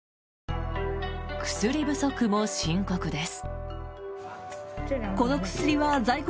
薬不足も深刻です。